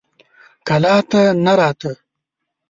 کلا ته نه راته.